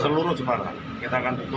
seluruh jepara kita akan tutup